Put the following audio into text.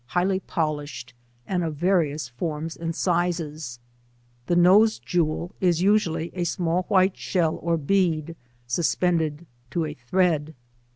75 highly polished, and of various forms and sizes; the nose jewel is usnatly a sraail white slieil or bead suspended to a thread.